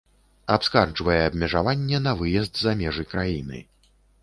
Абскарджвае абмежаванне на выезд за межы краіны.